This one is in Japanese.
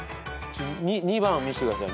２番見してください。